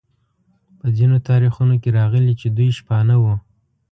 په ځینو تاریخونو کې راغلي چې دوی شپانه وو.